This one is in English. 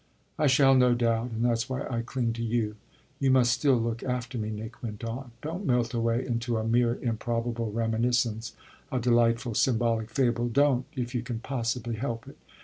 "I shall, no doubt, and that's why I cling to you. You must still look after me," Nick went on. "Don't melt away into a mere improbable reminiscence, a delightful, symbolic fable don't if you can possibly help it.